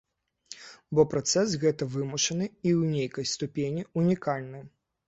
Бо працэс гэты вымушаны і ў нейкай ступені унікальны.